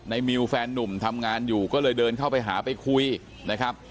มิวแฟนนุ่มทำงานอยู่ก็เลยเดินเข้าไปหาไปคุยนะครับ